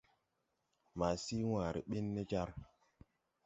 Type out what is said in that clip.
Ma sii wããre ɓin ne jar,